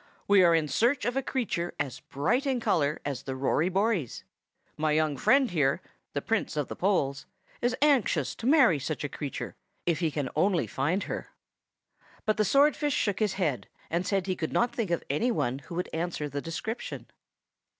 We are in search of a creature as bright in color as the Rory Bories. My young friend here, the Prince of the Poles, is anxious to marry such a creature, if he can only find her." But the swordfish shook his head, and said he could not think of any one who would answer the description.